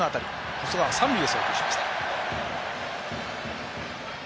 細川は三塁へ送球しました。